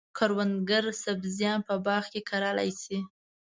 کروندګر سبزیان په باغ کې کرلای شي.